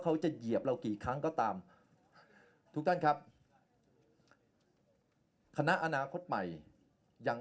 เหยียบเรากี่ครั้งก็ตามทุกท่านครับคณะอนาคตใหม่ยัง